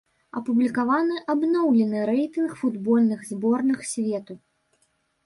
Апублікаваны абноўлены рэйтынг футбольных зборных свету.